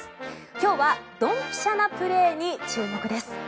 今日はドンピシャなプレーに注目です。